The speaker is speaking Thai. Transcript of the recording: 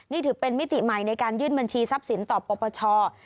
นี่ถือเป็นมิติใหม่ในการยื่นบัญชีทรัพย์สินต่อปปช